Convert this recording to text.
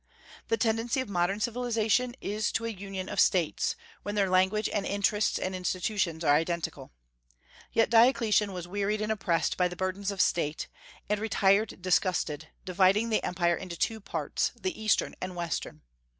The tendency of modern civilization is to a union of States, when their language and interests and institutions are identical. Yet Diocletian was wearied and oppressed by the burdens of State, and retired disgusted, dividing the Empire into two parts, the Eastern and Western.